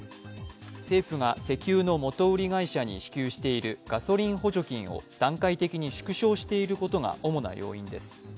政府が石油の元売り会社に支給しているガソリン補助金を段階的に縮小していることが主な要因です。